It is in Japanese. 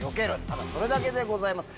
ただそれだけでございます。